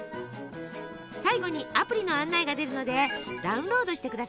最後にアプリの案内が出るのでダウンロードしてくださいね。